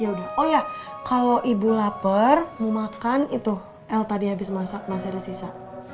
yaudah oh iya kalau ibu lapar mau makan itu el tadi habis masak masih ada sisa